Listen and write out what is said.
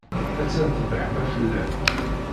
Attan tebbehba fell-am.